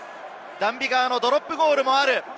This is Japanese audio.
ダン・ビガーのドロップゴールもある。